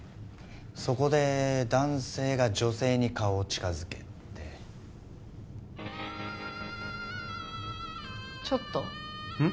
そこで男性が女性に顔を近づけてちょっとうん？